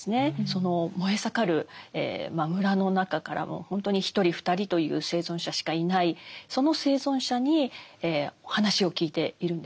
その燃え盛る村の中からもう本当に１人２人という生存者しかいないその生存者にお話を聞いているんですね。